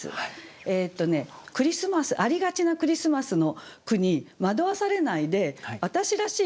えっとねありがちなクリスマスの句に惑わされないで私らしい